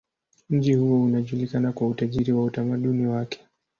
Mji huo unajulikana kwa utajiri wa utamaduni wake.